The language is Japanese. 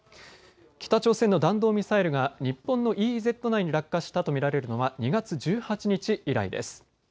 北朝鮮の弾道ミサイルが日本のＥＥＺ内に落下したと見られるのは２月１８日以来です。